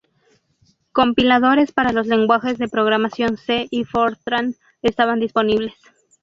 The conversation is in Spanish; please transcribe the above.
Compiladores para los lenguajes de programación C y Fortran estaban disponibles.